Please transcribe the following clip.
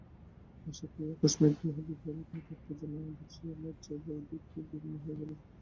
আশা এই আকস্মিক গৃহবিপ্লবের কোনো তাৎপর্য না বুঝিয়া লজ্জায় ভয়ে দুঃখে বিবর্ণ হইয়া গেল।